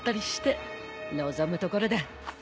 望むところだ。